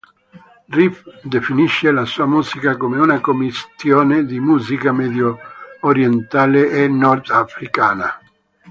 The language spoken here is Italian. Riff definisce la sua musica come una commistione di musica mediorientale e nordafricana.